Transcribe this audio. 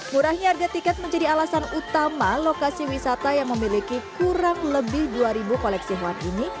murahnya harga tiket menjadi alasan utama lokasi wisata yang memiliki kurang lebih dua ribu koleksi hewan ini